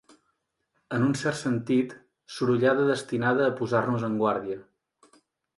En un cert sentit, sorollada destinada a posar-nos en guàrdia.